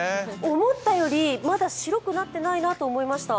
思ったより、まだ白くなってないなと思いました。